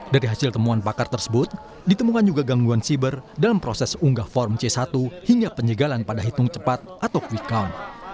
dari hasil temuan pakar tersebut ditemukan juga gangguan siber dalam proses unggah form c satu hingga penyegalan pada hitung cepat atau quick count